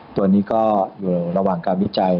ตัวนี้ก็อยู่ระหว่างการวิจัย